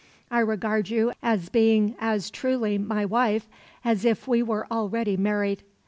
I regard you as being as truly my wife, as if we were already married."